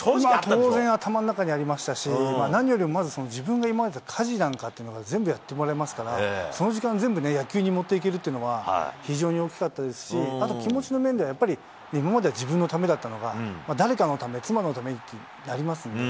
当然頭の中にありましたし、何よりも、まず自分が今までやってた家事なんかっていうのを全部やってもらえますから、その時間、全部野球に持っていけるっていうのは、非常に大きかったですし、あと気持ちの面では、やっぱり今までは自分のためだったのが、誰かのため、妻のためにってなりますしね。